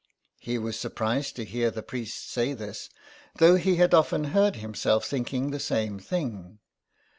He was surprised to hear the priest say this, though he had often heard himself thinking the same thing.